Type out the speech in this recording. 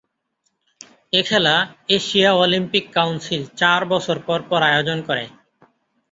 এ খেলা Asia Olympic Council চার বছর পর পর আয়োজন করে।